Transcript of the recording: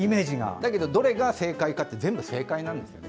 どれが正解かって全部、正解なんですね。